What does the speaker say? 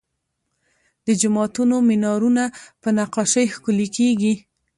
د جوماتونو مینارونه په نقاشۍ ښکلي کیږي.